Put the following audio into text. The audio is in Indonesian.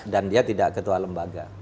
dia tidak ketua lembaga